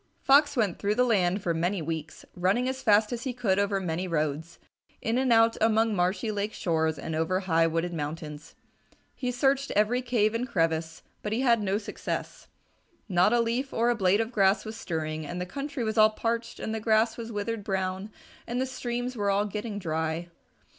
Fox went through the land for many weeks, running as fast as he could over many roads, in and out among marshy lake shores and over high wooded mountains. He searched every cave and crevice, but he had no success. Not a leaf or a blade of grass was stirring, and the country was all parched and the grass was withered brown and the streams were all getting dry.